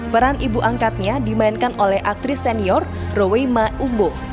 peran ibu angkatnya dimainkan oleh aktris senior rowei ma ubo